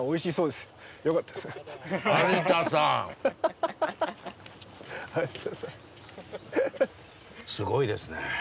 すごいですね。